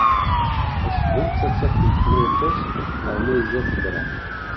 Ḥesbemt ad tafemt ma ixuṣ neɣ ma izad kra.